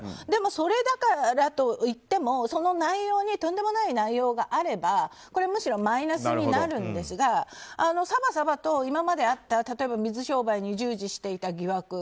でも、それだからといってもその内容にとんでもない内容があればこれはむしろマイナスになるんですがさばさばと今まであった水商売に従事していた疑惑。